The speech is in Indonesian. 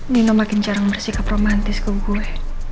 nino makin jarang bersikap romantis ke gue